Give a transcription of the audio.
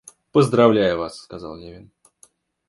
Поздравляю вас, — сказал Левин.